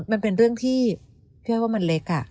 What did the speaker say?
มันเป็นเรื่องที่พี่อ้อยว่ามันเล็ก